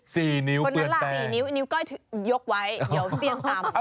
สี่นิ้วเปื้อนแป้งนิ้วก็ยกไว้เดี๋ยวเสียงต่ำ